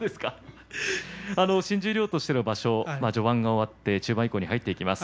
新十両としての場所序盤が終わって中盤以降に入っていきます。